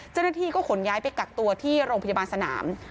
เจ้าหน้าที่ก็ขนย้ายไปกักตัวที่โรงพยาบาลสนาม